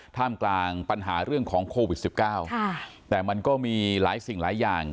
ท่ามกลางปัญหาเรื่องของโควิดสิบเก้าแต่มันก็มีหลายสิ่งหลายอย่าง